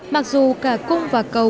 mặc dù cả cung và cầu